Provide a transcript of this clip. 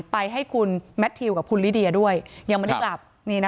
ไปให้คุณแมททิวกับคุณลิเดียด้วยยังไม่ได้กลับ